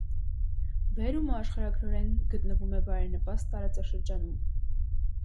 Բերումը աշխարհագրորեն գտնվում է բարենպաստ տարածաշրջանում։